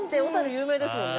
有名ですもんね。